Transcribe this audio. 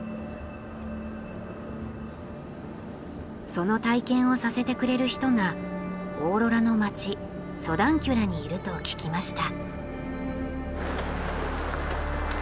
その体験をさせてくれる人がオーロラの町ソダンキュラにいると聞きました。